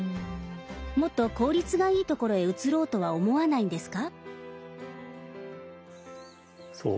もっと効率がいいところへ移ろうとは思わないんですか？